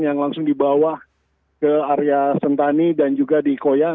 yang langsung dibawa ke area sentani dan juga di koya